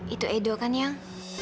itu edo kan yang